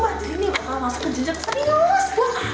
jadi nih bakalan masuk ke jejak serius